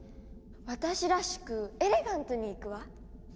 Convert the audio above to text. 私らしくエレガントにいくわ！